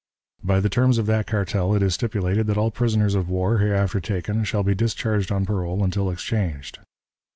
"By the terms of that cartel, it is stipulated that all prisoners of war hereafter taken shall be discharged on parole until exchanged.